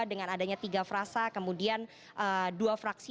dengan adanya tiga frasa kemudian dua fraksi